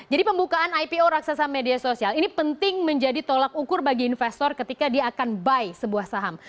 jadi pembukaan ipo raksasa media sosial ini penting menjadi tolak ukur bagi investor ketika dia akan buy sebuah saham